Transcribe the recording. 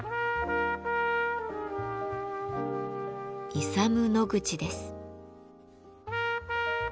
イサム・ノグチです。